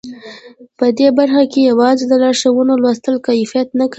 په دې برخه کې یوازې د لارښوونو لوستل کفایت نه کوي